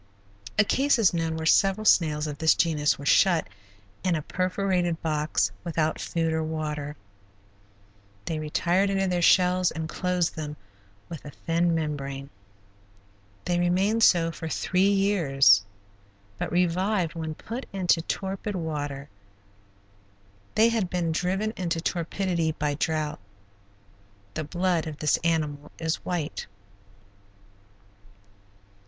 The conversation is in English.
A case is known where several snails of this genus were shut in a perforated box without food or water. They retired into their shells and closed them with a thin membrane. They remained so for three years, but revived when put into torpid water. They had been driven into torpidity by drought. The blood of this animal is white.